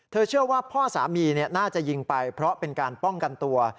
เชื่อว่าพ่อสามีน่าจะยิงไปเพราะเป็นการป้องกันตัว